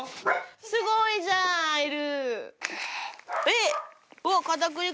すごいじゃん藍琉。